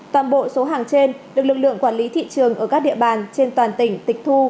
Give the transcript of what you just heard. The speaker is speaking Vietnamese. toàn bộ số hàng trên được lực lượng quản lý thị trường ở các địa bàn trên toàn tỉnh tịch thu